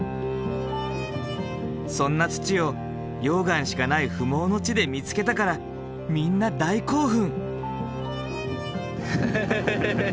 そんな土を溶岩しかない不毛の地で見つけたからみんな大興奮。